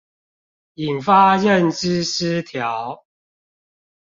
引發認知失調